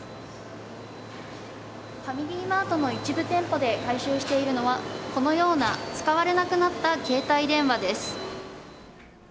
ファミリーマートの一部店舗で回収しているのは、このような使われなくなった携帯電話です。